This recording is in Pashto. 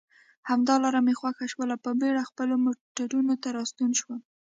همدا لار مې خوښه شول، په بېړه خپلو موټرو ته راستون شوم.